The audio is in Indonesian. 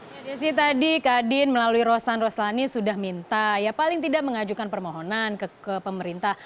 ya desi tadi kak adin melalui rostan roslani sudah minta ya paling tidak mengajukan permohonan ke pemerintah